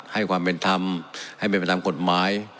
ให้ความเป็นธรรมให้เป็นไปตามกฎหมาย